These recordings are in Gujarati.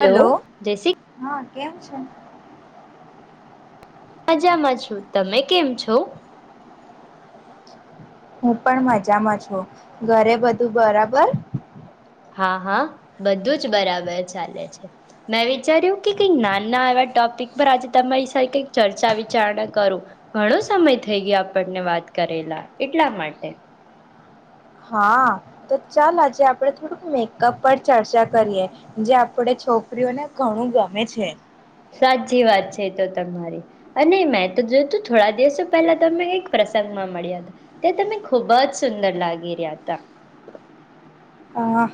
હલો જય શી એમ છો? મજામાં છું તમે કેમ છો? હું પણ મજામાં છું ઘરે બધું બરાબર હા હા બધું જ બરાબર ચાલે છે મેં વિચાર્યું કે કઈક નાના એવા ટોપિક પર આજે તમારી સા કઈક ચર્ચા વિચારણા કરું ઘણો સમય થઈ ગયો આપણને વાત કરેલા એટલા માટે. હા તો ચાલ આજે આપડ થોડુંક મેકઅપ પર ચર્ચા કરીએ જે આપડ છોકરીઓને ઘણું ગમે છે. સાચી વાત છે તો તમારી અને મેં તો જોય તું થોડા દિવસો પહેલા તને એક પ્રસંગમાં મળ્યા હતા તે તમે ખૂબ જ સુંદર લાગી રહ્યા હતા.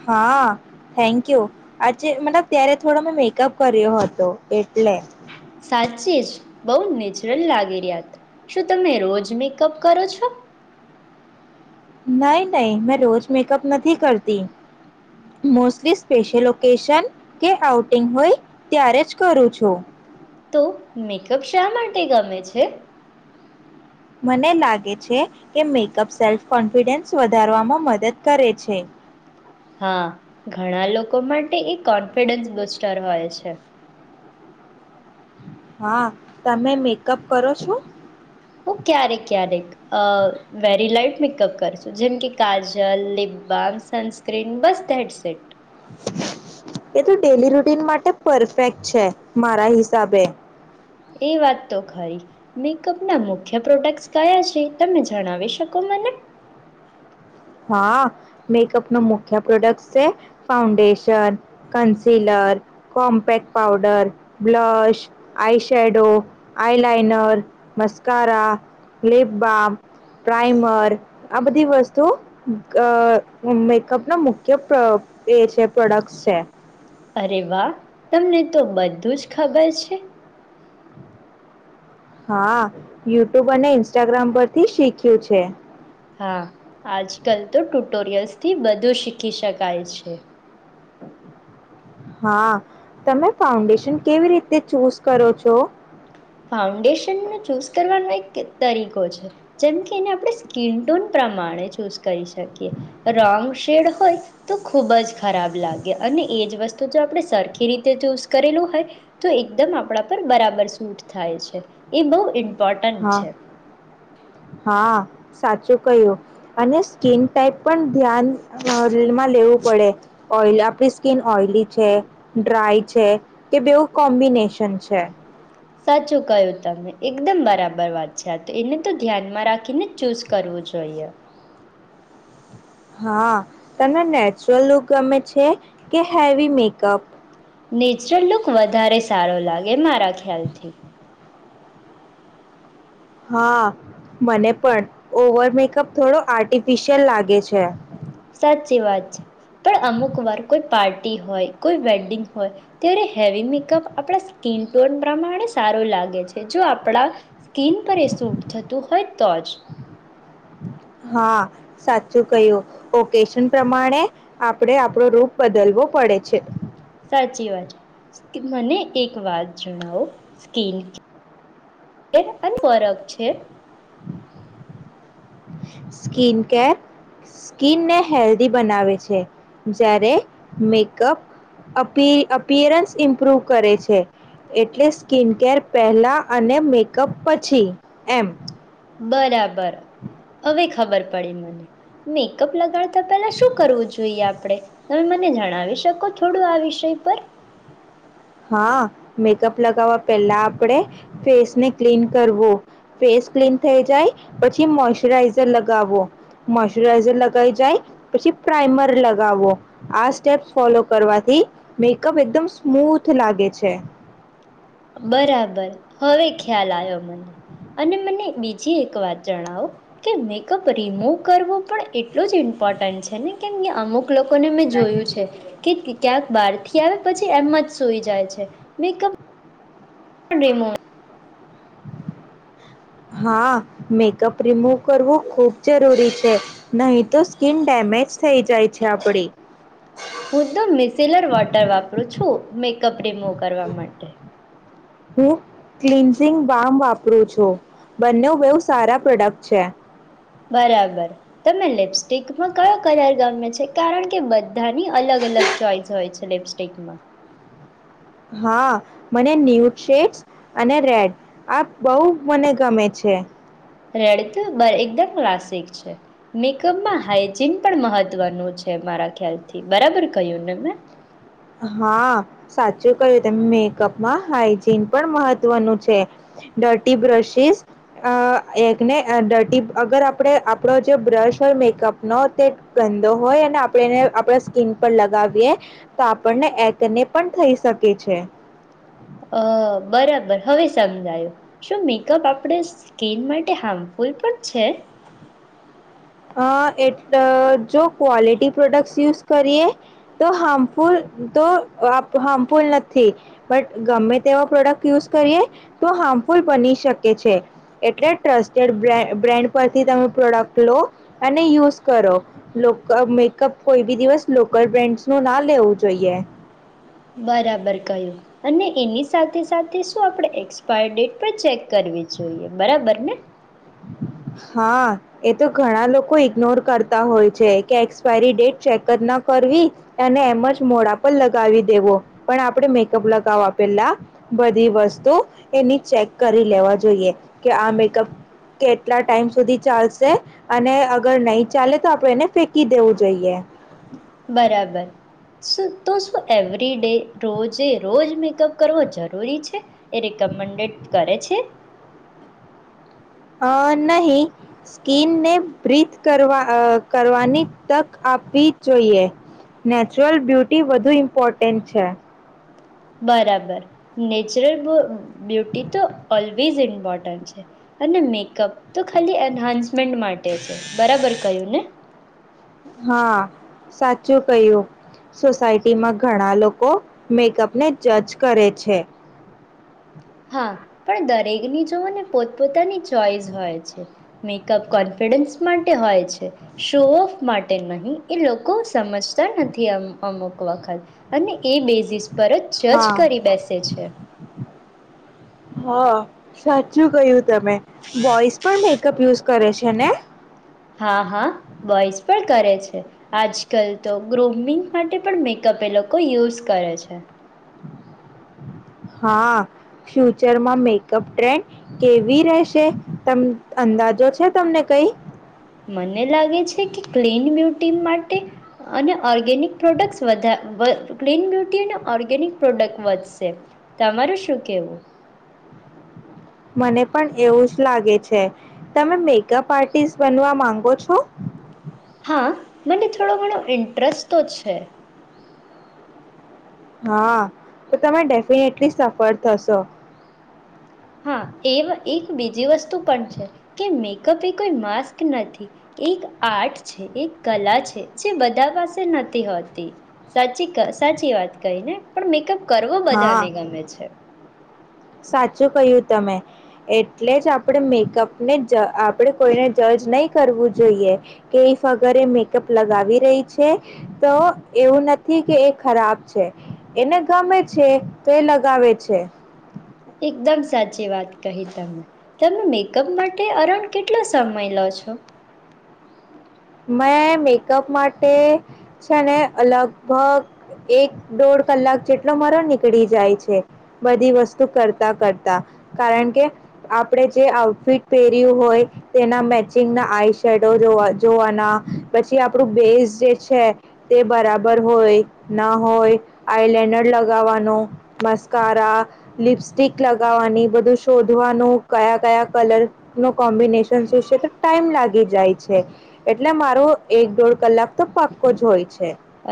હા થેન્ક યુ આજે મતલબ ત્યારે થોડો મેં મેકઅપ કર્યો હતો એટલે. સાચી જ બહુ નેચરલ લાગી રહ્યાત શું તમે રોજ મેકઅપ કરો છો? નઈ નહી મેં રોજ મેકઅપ નથી કરતી મોસ્ટલી સ્પેશિયલ ઓકેશન કે આઉટિંગ હોય ત્યારે જ કરું છું. તો મેકઅપ શા માટે ગમે છે. મને લાગે છે કે મેકઅપ સેલ્ફ કોન્ફિડન્સ વધારવામાં મદદ કરે છે. હા ઘણા લોકો માટે એ કોન્ફિડન્સ બુસ્ટર હોય છે. હા તમે મેકઅપ કરો છો? હું ક્યારેક ક્યારેક અ વેરી લાઈટ મેકઅપ કરશું જેમકે કાજલ લિપબામ સનસ્ક્રીન બસ હેડસેટ. એ તો ડેલી રૂટીન માટે પરફેક્ટ છે મારા હિસાબે. એ વાત તો ખરી મેકઅપ ના મુખ્ય પ્રોડક્ટ્ કયા છે તમે જણાવી શકો મને? હા મેકઅપ ન મુખ્ય પ્રોડક્ટ છે foundation concealer compact powder blush eye shadow આઈ લઇનર મસ્કારા લિપ બામ પ્રાઈમર આ બધી વસ્તુ અ મેકઅપનો મુખ્ય [unintelligible] એ છે, પ્રોડક્ટ છે. અરે વાહ તમને તો બધું જ ખબર છે. હા યુટ્યુબ અને ઇન્સ્ટાગ્રામ પરથી શીખ્યું છે. હા આજ કલ તો ટુટોરિયલ્સથી બધું શીખી શકાય છે. હા તમે ફાઉન્ડેશન કેવી રીતે ચૂઝ કરો છો. ફાઉન્ડેશન ચૂઝ કરવાનો એક તરીકો છે, જેમ કે એને આપણે સ્કીિન ટોન પ્રમાણે ચૂઝ કરી શકીએ [unintelligible] શેડ હોય તો ખુબ જ ખરાબ લાગે અને એજ વસ્તુ જો આપણે સરખી રીતે ચૂઝ કરેલું હોય તો એકદમ આપણા પર બરાબર સૂટ થાય છે, એ [unintelligible] [unintelligible] હા છે. હા સાચું કહ્યું અને એસ્કીિન ટાઈપ પણ ધ્યાનમાં [unintelligible] લેવું પડે ઓ આપણી સ્કીિન ઓઈલી છે, ડ્રાય છે, કે બેવું કોમ્બિનેશન છે. સાચું કયું તમે એકદમ બરાબર વાત છે, આ તો એને તો ધ્યાનમાં રાખીને જ ચૂઝ કરવું જોઈએ. હા તને નેચરલ લુક ગમે છે, કે હેવી મેકઅપ. નેચરલ લુક વધારે સારો લાગે મારા ખ્યાલથી. હા મને પણ ઓવરમેકઅપ થોડો આર્ટિફિશિયલ લાગે છે. સાચી વાત છે, પણ અમુક વાર કોઈ પાર્ટી હોય કોઈ વેડિંગ હોય ત્યારે હેવી મેકઅપ આપણા સ્કીિન ટોન પ્રમાણે સારો લાગે છે, જો આપણા સ્કીિન પર એ સૂટ થતું હોય તો જ હા સાચું [unintelligible] પ્રમાણે આપડે આપડો રૂપ બદલવો પડે છે. સાચી વાત છે, મને એક વાત જણાવો [unintelligible] સ્કીિન કેર સ્કીિનને હેલ્ધી બનાવે છે, જ્યારે મેકઅપ [unintelligible] ઇમ્પ્રુવ કરે છે, એટલે સ્કીિનકેર પહેલા અને મેકઅપ પછી એમ. બરાબર હવે ખબર પડી મને મેકઅપ લગાડતા પેલા શું કરવું જોઈએ આપણેે તમે મને જણાવી શકો થોડું આ વિષય પર હા મેકઅપ લગાવવા પહેલા આપણેે ફેસને ક્લીન કરવું ફેસ ક્લીન થઈ જાય પછી મોશચરાઈઝર લગાવવો મોઈશચરાઈઝર લગાઈ જાય પછી પ્રઇમર લગાવો આ સ્ટેપ્સ ફોલો કરવાથી મેકઅપ એકદમ સ્મૂથ લાગે છે. બરાબર હવે ખ્યાલ આવ્યો મને અને મને બીજી એક વાત જણાવો કે મેકઅપ રિમૂવ કરવો પણ એટલું જ ઇમ્પોર્ટન્ટ છે, ને કેમ કે અમુક લોકોને મેં જોયું છે, કે ક્યાંક બાાર [inaudible] આવે પછી એમ જ સઈ જાય છે, મેકઅપ [inaudible] હા મેકઅપ રિમૂવ કરવું ખૂબ જરૂરી છે, નહી તો સ્કીિન ડેમેજ થઈ જાય છે, આપડી હું તો મિસેલર વોટર વાપરું છું. શું મેકઅપ રીમો કરવા માટે હું ક્લન્ઝિંગ બામ વાપરું છું, બંને બહુ સારા પ્રોડક્ટ છે. બરાબર તમે લિપસ્ટિકમાં કયો કલર ગમે છે કારણ કે બ બધાની અલગ અલગ ચોઈસ હોય છે. લિપસ્ટિક માં હા મને [unintelligible] અને રેડ આ બહ મને ગમે છે. રેડ એકદમ ક્લાસિક છે, મેકઅપમાં [unintelligible] હાઈજીન પણ મહત્વનું છે, મારા ખ્યાલથી બરાબર કહું ને મેં હા સાચું કય્યું તમે મેકઅપમાં હાઈજીન પણ મહત્વનું છે [unintelligible] બ્રશસ એકને [unintelligible] અગર આપણે આપણો જે બ્રશ હોય [unintelligible] તે ગંધો હોય અને આપણે એને આપણા સ્કીન પર લગાવીએ. તો આપણને [unintelligible] પણ થઈ શકે છે. અ બરાબર હવે સમજાયો શું મેકઅપ આપણે સ્કીિન માટે હાર્મફુલ પણ છે. અ એટ જો ક્વોલિટી પ્રોડક્ટ યુઝ કરીએ તો હાર્મફુલ તો [unintelligible] નથી બટ ગમે તેવા પ્રોડક્ટ યુઝ કરીએ તો હાર્મફુલ બની શકે છે, એટલે ટ્રસ્ટેડ બ્રેન્ડ પરથી તમે પ્રોડક્ટ લો. અને યુઝ કરો [unintelligible] મેકઅપ કોઈ બી દિવસ લોકલ બ્રેન્ડસ નું ના લેવું જોઈએ. બરાબર કહ્યું અને એની સાથે સાથે શું આપણેે એક્સપાયર ડેટ પણ ચેક કરવી જોઈએ બરાબર ને હા એ તો ઘણા લોકો ઈગ્નોર કરતા હોય છે, કે એક્સપાયરી ડેટ ચેક જ ના કરવી અને એમ જ મોડા પર લગાવી દેવો પણ આપણે મેકઅપ લગાવવા પેલા બધી વસ્તુ એની ચેક કરી લેવા જોઈએ કે આ મેકઅપ કે કેટલા ટાઈમ સુધી ચાલશે અને અગર નહી ચાલે તો આપણે એને ફેંકી દેવું જોઈએ. બરાબર શું. તો શું એવરી ડે રોજે રોજ મેકઅપ કરવો જરૂરી છે. એ રિકમન્ડેડ કરે છે. અ નહી સ્કીિનને બ્રીથ કરવા અ કરવાની તક આપવી જોઈએ નેચરલ બ્યુટી વધુ ઇમ્પોર્ટન્ટ છે બરાબર નેચરલ બ્યુ બ્યુટી તો ઓલવેઝ ઇમ્પોર્ટન્ટ છે અને મેકઅપ તો ખાલી એન્હાન્સમેન્ટ માટે છે બરાબર કયું ને હા સાચું કહ્યું સોસાયટીમાં ઘણા લોકો મેકઅપને જજ કરે છે હા પણ દરેકની જોઓને પોતપોતાની ચોઈસ હોય છે મેકઅપ કોન્ફિડન્સ માટે હોય છે શો ઓફ માટે નહીં એ લોકો સમજતા નથી અમ અમુક વખત અને એ બેઝીસ પર જ જજ હા કરી બેસે છે. [unintelligible] હા સાચું કયું તમે વોઈસ પણ મે અપ યુઝ કરે છે ને આજ કલ તો ગ્રોમિંગ માટે પણ મેકઅપ એ લોકો યુઝ કરે છે હા ફ્યુચરમાં મેકઅપ ટ્રેન્ડ કેવી રહેશે ત અંદાજો છે તમને કઈ મને લાગે છે કે ક્લીન બ્યુટી માટે અને ઓર્ગેનિક પ્રોડક્ટ વધાર વધ ક્લીન બ્યુટી અને ઓર્ગેનિક પ્રોડક્ટ વધશે તમાર શું કેવું મને પણ એવું જ લાગે છે તમે મેકઅપ આર્ટિસ્ટ બનવા માંગો છો હા મને થોડો ઘણો ઇન્ટરેસ્ટ તો છે હા તો તમે ડેફિનેટલી સફળ થશો હા એવા એક બીજી વસ્તુ પણ છે કે મેકઅપ એ કોઈ માસ્ક નથી એક આર્ટ છે એક કલા છે જે બધા પાસે નથી હોતી સાચી ક ઇ સાચી વાત કહી ને પણ મેકઅપ કરવો બધા હા ને ગમે છે સાચું કહ્યું તમે એટલે જ આપણે મેકઅપને જ આપણેે કોઈને જજ નહી કરવું જોઈએ કે ઈ વગર મેકઅપ લગાવી રહી છે તો એવું નથી કે એ ખરાબ છે એને ગમે છે તો એ લગાવે છે એકદમ સાચી વાત કહી તમને.. તમે મેકઅપ માટે અરણ કેટલો સમય લો છો મેં મેકઅપ માટે છે ને લગભગ એક દોઢ કલાક જેટલો મારો નીકળી જાય છે બધી વસ્તુ કરતા કરતા કારણ કે આપણેે જે આઉટફિટ પહેર્યું હોય તેના મેચિંગના આઈ શેડો જોવા વા પછી આપણું બેઝ જે છે તે બરાબર હોય ના હોય આઈ લડર લગાવવાનું મસ્કારા લિપસ્ટિક લગાવવાની બધું શોધવાનું કયા કયા કલર ન કોમ્બિનેશન શું છે તો ટાઈમ લાગી જાય છે એટલે મારો એક દોઢ કલાક તો પાક્કો જ હોય છે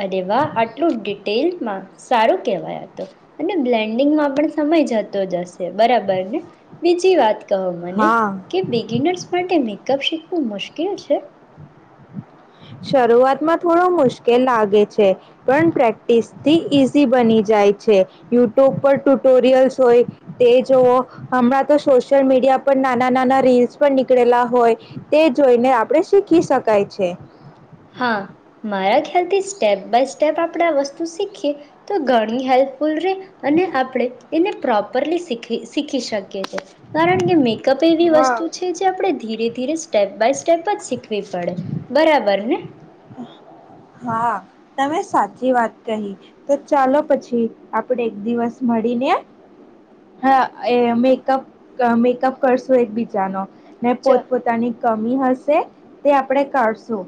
અરે વાહ આટલું જ િટેલ મા સારું કેહેવાય આતો અને બ્લેન્ડિંગમાં પણ સમય જતો જશે બરાબર ને બીજી વાત કહો મને હા કે બિગિનર્સ માટે મેકઅપ શીખ શું મુશ્કેલ છે શરૂઆતમાં થોડો મુશ્કેલ લાગે છે પણ પ્રેક્ટિસ થી ઈઝી બની જાય છે યુટ્યુબ પર ટુટોરિયલ્સ હોય તે જોવ હમણાં તો સોશિયલ મીડિયા પર નાના નાના રીલ્સ પણ નીકળેલા હોય તે જોઈને આપણે શીખી શકીએ શ કાય છે હા મારા ખ્યાલથી સ્ટેપ બાય સ્ટેપ આપણે આ વસ્તુ શીખીએ તો ઘણી હેલ્પફુલ રહે અને આપણે એને પ્રોપરલી શીખી શીખી શકીએ છે કારણ કે મેકઅપ એવી હા વસ્તુ છે જે આપણે ધીરે ધીરે સ્ટેપ બાય સ્ટેપ જ શીખવી પડે બરાબર ને હા તમે સાચી વાત કહી તો ચાલો પછી આપડે એક દિવસ મળીને અ એ મેકઅપ મેકઅપ કરશું એકબીજાનો ને ચો પોતપોતાની કમી હશે.. તે તે આપડણે કરશું.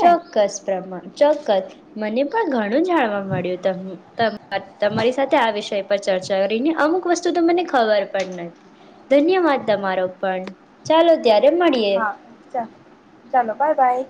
ચોક્કસ પ્રમાણ ચોક્કસ મને પણ ઘણું જાણવા મળ્યું તમ તમાર તમારી સાથે આ વિષય પર ચર્ચા કરીને અમુક વસ્તુ તો મને ખબર પણ નથી ધન્યવાદ તમારો પણ ચાલો ત્યારે મળીએ હા ચ ચાલો બાય-બાય